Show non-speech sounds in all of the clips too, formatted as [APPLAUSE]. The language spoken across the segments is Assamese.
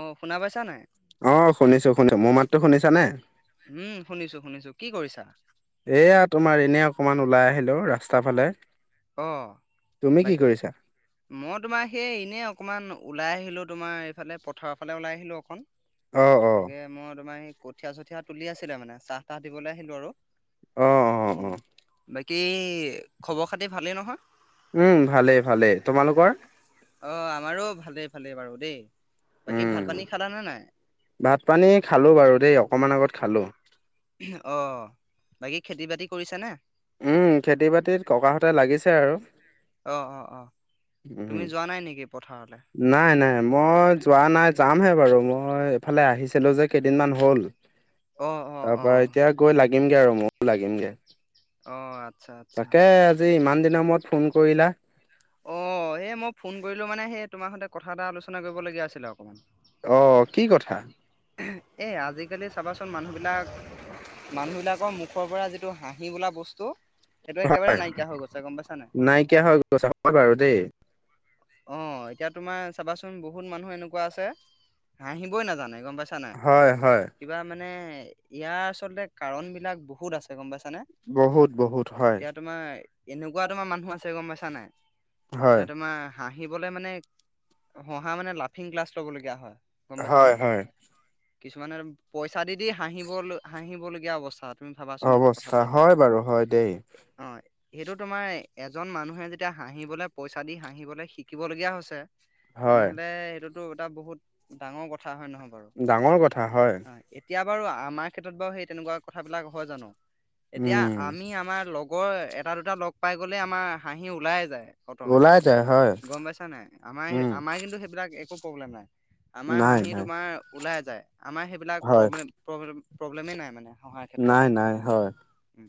অ', শুনা পাইছা নাই? অঁ', শুনিছোঁ শুনিছো মোৰ মাতটো শুনিছানে? উম, শুনিছো শুনিছো কি কৰিছা? এয়া তোমাৰ এনেই অকমান ওলাই আহিলো ৰাস্তাৰ ফালে। অঁ' তুমি কি বাইক কৰিছা? মই তোমাৰ সেই এনেই অকণমান ওলাই আহিলোঁ তোমাৰ এইফালে পথাৰৰ ফালে ওলাই আহিলোঁ অকণ। অ', অ'। তাকে মই তোমাৰ এই কঠিয়া চঠীয়া তুলি আছিলে মানে চাহ তাহ দিবলে আহিলো আৰু অ অ অ উম, বাকী খবৰ খাতি ভালেই নহয়? উম, ভালেই ভালেই তোমালোকৰ? অঁ', আমাৰো ভালেই ভালেই বাৰু দেই। বাকী ভাত উম, পানী খালানে নাই? ভাত পানী খালোঁ বাৰু দেই অকণমান আগত খালোঁ। অঁ', বাকী খেতি বাতি কৰিছানে? উম খেতি বাতিত ককাহঁতে লাগিছে আৰু অঁ', অঁ', অঁ', উম। তুমি যোৱা নাই নিকি পথাৰলে? নাই নাই মই যোৱা নাই যামহে বাৰু ম মই এইফালে আহিছিলো যে কেইদিন মান হ'ল অ অ তাৰ অ পৰা এতিয়া গৈ লাগিম গে আৰু মইও লাগিম গে। অ', আচ্ছা আচ্ছা। আজি ইমান দিনৰ মূৰত ফোন কৰিলা। অ', এই মই ফোন কৰিলো মানে সেই তোমাৰ সৈতে কথা এটা আলোচনা কৰিবলগীয়া আছিলে অকমান অ', কি কথা? এই আজিকালি চাবাচোন মানুহবিলাক মানুহবিলাকৰ মুখৰ পৰা যিটো হাঁহি বোলা বস্তু সেইটো একেবাৰে হয় নাইকিয়া হৈ গৈছে গম পাইছা নাই। নাইকিয়া হৈ গৈছে হয় বাৰু দেই। অ', এতিয়া তোমাৰ চাবাচোন বহুত মানুহ এনেকুৱা আছে হাঁহিবই নাজানে গম পাইছা বুইছা নাই হয় হয় কিবা মানে ইয়াৰ আচলতে কাৰণবিলাক বহুত আছে গম পাইছানে? বহুত বহুত হয় এতিয়া তোমাৰ এনেকুৱা তোমাৰ মানুহ আছে গম পাইছা নাই হয় এ তোমাৰ হাঁহিবলে মানে হঁহা মানে লাফিং ক্লাছ ল'বলগীয়া হয়। গম পাইছানে হয় হয় কিছুমানে পইচা দি দি হাঁহিব হাঁহিবলগীয়া অৱস্থাত অৱস্থা হয় বাৰু হয় দেই অ', সেইটো তোমাৰ এজন মানুহে যেতিয়া হাঁহিবলৈ পইচা দি হাঁহিবলৈ শিকিবলগীয়া হৈছে হয় তেনেহ'লে এইটোত টো এটা বহুত ডাঙৰ কথা হয় নহয় বাৰু ডাঙৰ কথা হয়। এতিয়া বাৰু আমাৰ ক্ষেত্ৰত বাৰু সেই তেনেকুৱা কথাবিলাক হয় জানো এতিয়া উম আমি আমাৰ লগ লগৰ এটা দুটা লগ পাই গলে আমাৰ হাঁহি ওলাই যায় অট'মেটিক ওলাই যায় হয় গম পাইছা নাই আমাৰ উম আমাৰ কিন্তু সেইট সেইবিলাক একো প্ৰব্লেম নাই আমাৰ নাই হাঁহি নাই তোমাৰ ওলাই যায় আমাৰ সেইবিলাক হয় প্ৰব্লেম প্ৰব্লেম প্ৰব্লেমে নাই মানে হহাঁৰ নাই নাই হয়। উম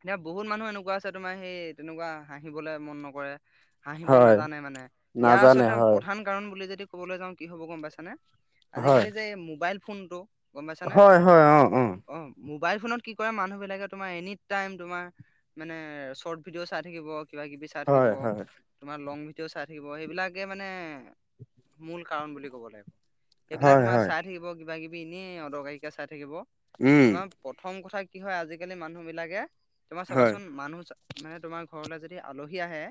এতিয়া বহুত মানুহ এনেকুৱা আছে তোমাৰ সেই তেনেকুৱা হাঁহিবলে মন নকৰে। হাঁহিব হয় নাজানে মানে ইয়াৰ নাজানে ওচতে হয় প্ৰধান কাৰণ বুলি যদি কবলৈ যাওঁ কি হ'ব গম পাইছানে হয় আজিকালি যে মোবাইল ফোনটো গম পাইছানে হয় হয় অ অ মোবাইল ফোনত কি কৰে মানুহ বিলাকে তোমাৰ এনি টাইম তোমাৰ, মানে চৰ্ট ভিডিঅ' চাই থাকিব, কিবা কিবি চাই থাকিব। হয় হয় তোমাৰ লং ভিডিঅ' চাই থাকিব। সেইবিলাকে মানে মূল কাৰণ বুলি ক'ব লাগিব। সেইবিলাক হয় তোমাৰ হয় চাই থাকিব কিবাকিবি এনেই অদৰকাৰীকে চাই থাকিব। উম তোমাৰ প্ৰথম কথা কি হয় আজিকালি মানুহ বিলাকে, তোমাৰ হয় চাবাচোন মানুহ মানে তোমাৰ ঘৰলৈ যদি আলহী আহে,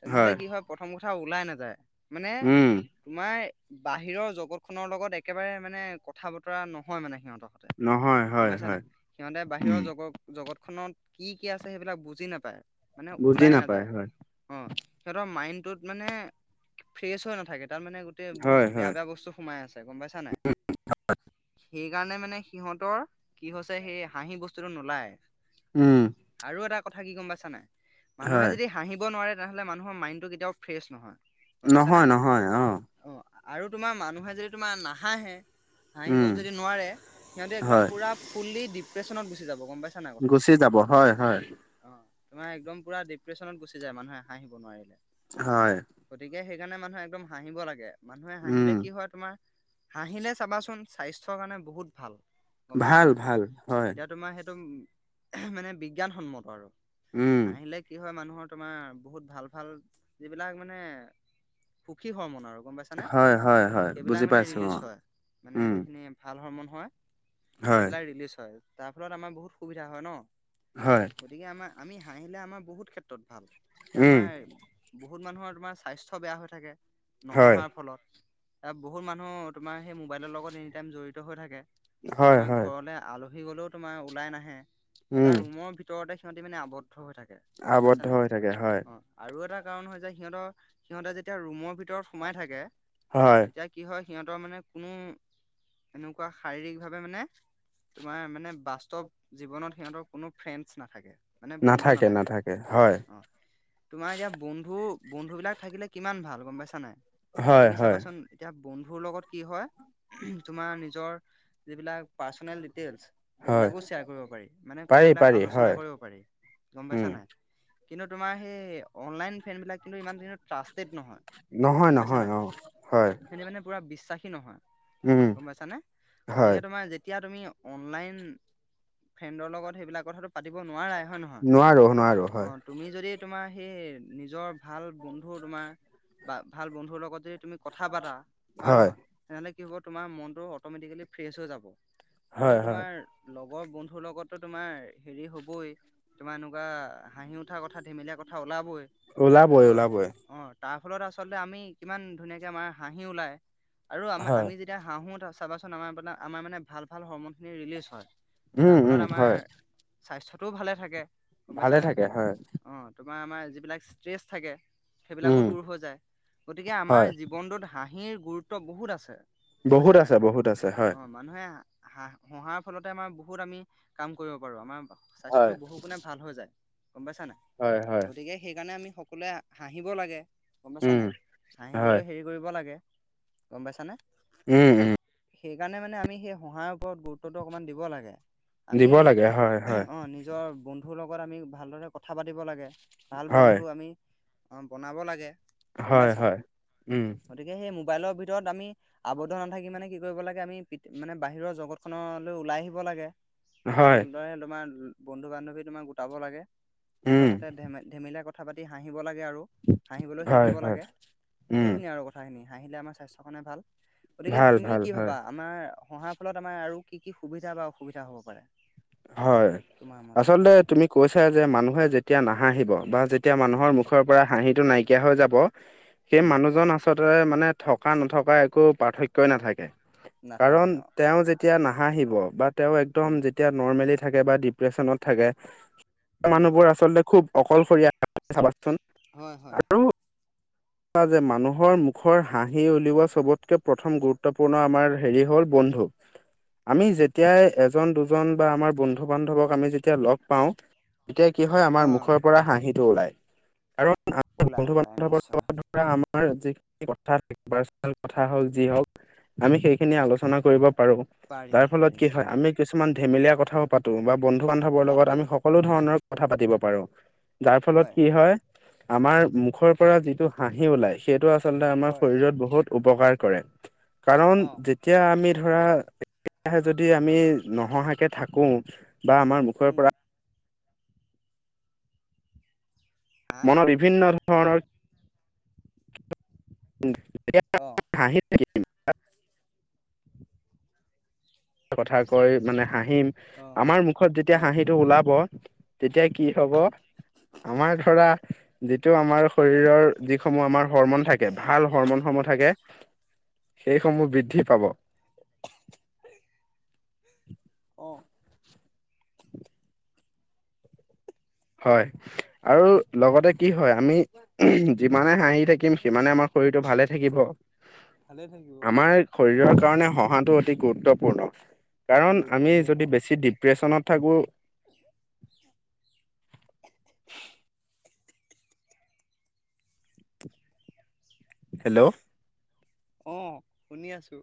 তেনেহলে কি হয় প্ৰথম কথা ওলাই নাযায়। মানে, উম তোমাৰ বাহিৰৰ জগত খনৰ লগত একেবাৰে মানে কথা বতৰা নহয় মানে সিহঁতৰ। নহয় হয় গম পাইছা হয় নাই? সিহঁতে উম বাহিৰৰ জগত জগতখনত কি কি আছে সেইবিলাক বুজি নাপায়। মানে বুজি ওলাই নাপায় নাযায়। হয় অ সিহঁতৰ মাইণ্ডটোত মানে, ফ্ৰেচ হৈ নাথাকে। তাৰ মানে, তে হয় বহুত বেয়া হয় বেয়া বস্তু সোমাই আছে গম পাইছা নাই? সেই কাৰণে মানে সিহঁতৰ, কি হৈছে সেই হাঁহি বস্তুটো নোলায়। উম। আৰু এটা কথা কি গম পাইছা নাই? মানুহে হয় যদি, হাঁহিব নোৱাৰে তেনেহ'লে মানুহৰ মাইণ্ডটো কেতিয়াও ফ্ৰেছ নহয়। গম পাইছানে নহয় নহয় অ। অ আৰু তোমাৰ মানুহে যদি তোমাৰ নাহাঁহে, হাঁহিব উম, যদি নোৱাৰে, সিহঁতে হয় একদম পুৰা ফুল্লি ডিপ্ৰেচনত গুচি যাব গম পাইছ। গুচি যাব হয় হয়। অ তোমাৰ একদম পুৰা ডিপ্ৰেশ্যনত গুচি যায় মানুহে হাঁহিব নোৱাৰিলে। হয়। গতিকে সেইকাৰণে মানুহে একদম হাঁহিব লাগে। মানুহে উম। হাঁহিলে কি হয় তোমাৰ, হাঁহিলে চাবাচোন স্বাস্থ্যৰ কাৰণে বহুত ভাল। গম পাইছা ভাল, নাই। ভাল হয়, এতিয়া তোমাৰ সেইটো, মানে বিজ্ঞানসন্মত আৰু। উম, হাঁহিলে কি হয় মানুহৰ, তোমাৰ বহুত ভাল ভাল, যিবিলাক মানে সুখী হয় মন আৰু গম পাই- ছনে। হয়, হয়, হয় সেই বিলাক বুজি মানে পাইছো ৰিলিচ অ', হয়। মানে উম। যিখিনি, ভাল হৰমন হয়, হয়, সেইবিলাক ৰিলিজ হয়। তাৰ ফলত আমাৰ বহুত সুবিধা হয় ন। হয়। গতিকে আমাৰ আমি হাঁহিলে আমাৰ বহুত ক্ষেত্ৰত ভাল। এতিয়া উম, আমাৰ, বহুত মানুহৰ তোমাৰ স্বাস্থ্য বেয়া হৈ থাকে। হয়, নহঁহাৰ ফলত। ত বহুত মানুহ তোমাৰ সেই মোবাইলৰ লগত এনি টাইম জড়িত হৈ থাকে। হয়, তোমাৰ হয়, ঘৰলে আলহী গলেও তোমাৰ ওলাই নাহে। এটা উম, ৰুমৰ ভিতৰত ভিতৰতে সিহঁতি মানে আৱদ্ধ হৈ থাকে। গম আৱদ্ধ পাইছনে? হৈ থাকে হয়। অ আৰু এটা কাৰণ হয় যে সিহঁতৰ, সিহঁতে যেতিয়া ৰুমৰ ভিতৰত সোমাই থাকে। হয়, তেতিয়া, কি হয় সিহঁতৰ মানে কোনো এনেকুৱা শাৰীৰিক ভাৱে মানে, তোমাৰ মানে বাস্তৱ জীৱনত সিহঁতৰ কোনো ফ্ৰেণ্ডছ নাথাকে। মানে বন্ধু নাথাকে নাথাকে হয়। অ তোমাৰ এতিয়া বন্ধু বন্ধু বিলাক থাকিলে কিমান ভাল। গম পাইছা নাই? হয়, তুমি হয়, চাবাচোন এতিয়া বন্ধুৰ লগত কি হয়, উমহ তোমাৰ নিজৰ যিবিলাক, পাৰ্চনেল ডিটেইলচ হয়, সেইবিলাকো শ্বেয়াৰ কৰিব পাৰি। মানে পাৰি, কথাবিলাক পাৰি হয়, আলোচনা কৰিব পাৰি। গম পাইছা উম, নাই? কিন্তু তোমাৰ সেই অনলাইন ফেনবিলাক কিন্তু ইমান কিন্তু ট্ৰাষ্টেড নহয়। নহয়, গম পাইছা নহয় নাই? অ', হয়, সেতি মানে পুৰা বিশ্বাসী নহয়। উম, গম পাইছানে হয়, গতিকে তোমাৰ যেতিয়া তুমি অনলাইন ফ্ৰেণ্ডৰ লগত সেইবিলাক কথাটো পাতিব নোৱাৰাই হয় নহয় নোৱাৰো, নোৱাৰো অ হয়, তুমি যদি তোমাৰ সেই নিজৰ ভাল বন্ধু তোমাৰ বা ভাল বন্ধুৰ লগত যদি তুমি কথা পাতা হয় নহয় তেনেহ'লে কি হ'ব তোমাৰ মনটো অটমেটিকেলি ফ্ৰেছ হৈ যাব। আৰু হয়, হয়, তোমাৰ লগৰ বন্ধুৰ লগততো তোমাৰ হেৰি হ'বই তোমাৰ এনেকোৱা হাঁহি উঠা কথা ধেমেলীয়া কথা ওলাবই। ওলাবই, আৰু ওলাবই। অ, তাৰ ফলত আচলতে আমি কিমান ধুনীয়াকে আমাৰ হাঁহি ওলায় আৰু আমা হয়, আমি যি তিয়া হাঁহো চাবাচোন আমাৰ মান আমাৰ মানে ভাল ভাল হৰমন খিনি ৰিলিজ হয়। যাৰ উম, ফলত উম, আমাৰ হয়। স্বাস্থ্যটোও ভালে থাকে। গম ভালে পাইছানে থাকে হয়। অ, তোমাৰ আমাৰ যিবিলাক ষ্ট্ৰেচ থাকে সেইবিলাকো উম দূৰ হৈ যায়, গতিকে আমাৰ হয়। জীৱনটোত হাঁহিৰ গুৰুত্ব বহুত আছে। গম বহুত পাইছা নাই আছে বহুত আছে হয়। অ'। মানুহে হাঁহ হঁহাৰ ফলতে আমাৰ বহুত আমি কাম কৰিব পাৰো আমাৰ স্বাস্থ্যটো হয়। বহু গুণে ভাল হৈ যায়, গম পাইছা নাই হয় হয় গতিকে সেইকাৰণে আমি সকলোৱে হাঁহিব লাগে। গম পাইছা উম নাই, হাঁহিবলৈ হয় হেৰি কৰিব লাগে গম পাইছানে। উম, উম। সেইকাৰণে মানে আমি সেই হঁহাৰ ওপৰত গুৰুত্বতো অকণমান দিব লাগে। আমি দিব লাগে হয় হয়। অ, নিজৰ ব ন্ধুৰ লগত আমি ভালদৰে কথা পাতিব লাগে, ভাল হয় বন্ধু আমি বনাব লাগে। গম হয় পাইছা হয় উম। গতিকে সেই মোবাইলৰ ভিতৰত আমি আৱদ্ধ নাথাকি মানে কি কৰিব লাগে আমি পি মানে বাহিৰৰ জগতখনলৈ ওলাই আহিব লাগে। হয় ভালদৰে তোমাৰ বন্ধু - বান্ধৱী তোমাক গোটাব লাগে। উম সিহঁতৰ সতে ধে-ধেমেলীয়া কথা পাতি হাঁহিব লাগে আৰু। হাঁহিবলৈ হয় শিকিব হয় লাগে। উম সেইখিনি আৰু কথাখিনি, হাঁহিলে আমাৰ স্বাস্থ্যৰ কাৰণে ভাল। গতিকে ভাল তুমি ভাল কি হয় ভাবা আমাৰ হঁহাৰ ফলত আমাৰ আৰু কি, কি সুবিধা বা অসুবিধা হব পাৰে? হয়, তোমাৰ মতে আচলতে হয় তুমি কৈছা যে মানুহে যেতিয়া নাহাঁহিব বা যেতিয়া মানুহৰ উম মুখৰ পৰা হাঁহিটো নাইকিয়া হৈ যাব সেই উম মানুহজন আ আচলতে মানে থকা, নথকা একো পাৰ্থক্যই নাথাকে কাৰণ নাথাকে অ তেওঁ যে তিয়া নাহাঁহিব বা তেওঁ একদম উম যেতিয়া নৰ্মেলি থাকে বা ডিপ্ৰেচনত থাকে তেনেকোৱা মানুহবোৰ উম আচলতে খুব অকলশৰীয়া চাবাচোন হয় আৰু [INAUDIBLE] পোৱা যে মানুহৰ মুখৰ হাঁহি উলিওৱা চবতকে প্ৰথম গুৰুত্বপূৰ্ণ আমাৰ হেৰি হ'ল বন্ধু আমি যেতিয়াই এজন, দু জন বা আমাৰ বন্ধু, বান্ধৱক আমি যেতিয়া লগ পাওঁ তেতিয়া কি হয় অ আমাৰ মুখৰ পৰা হাঁহিটো ওলাই, কাৰণ ওলাই বন্ধু ওলাই বান্ধৱ নিশ্চয় আমাৰ আমাৰ যিখিনি কথা পাৰ্চনেল কথা হওক, যি হওক আমি সেইখিনি আলোচনা কৰিব পাৰো পাৰি যাৰ ফলত পাৰি কি হয় আমি কিছু কিছুমান ধেমেলীয়া কথাও পাতো বা বন্ধু, বান্ধৱৰ লগত পাতো আমি সকলো ধৰণৰ কথা পাতিব পাৰো। যাৰ ফলত কি হয়, আমাৰ মুখৰ পৰা যিটো হাঁহি ওলাই। সেইটো আচলতে আমাৰ হয় শৰীৰত বহুত উপকাৰ কৰে। কাৰণ অ যে তিয়া আমি ধৰা একেৰাহে যদি আমি নহঁহাকে থাকো বা আমাৰ মুখৰ উম পৰা। হা মনত বিভিন্ন ধৰণৰ অ [UNINTELLIGIBLE] [INAUDIBLE] [INAUDIBLE] কথা কৈ মানে হাঁহিম, অ আমাৰ মুখত যেতিয়া অ হাঁহিটো ওলাব তেতিয়া কি হ'ব, আমাৰ ধৰা যিটো আমাৰ শৰীৰৰ যিসমূহ আমাৰ হৰমন থাকে, ভাল হৰমন সমূহ থাকে, সেইসমূহ বৃদ্ধি পাব। [INAUDIBLE] অ'। হয়, আৰু লগতে কি হয়, আমি [UNINTELLIGIBLE] উম যিমানে হাঁহি থাকিম সিমানে আমাৰ শৰীৰটো ভালে থাকিব, ভালে থাকিব আমাৰ শৰীৰৰ কাৰণে হহাটো অতি গুৰুত্বপূৰ্ণ, কাৰণ আমি গুৰুত্বপূৰ্ণ যদি বেছি দীপ প্ৰ্ৰেশ্যনত থাকোঁ [INAUDIBLE] [INAUDIBLE] হেল্ল'। অ শুনি আছো।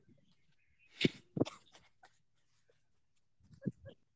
[INAUDIBLE]